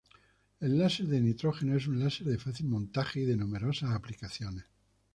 El láser de nitrógeno es un láser de fácil montaje y de numerosas aplicaciones.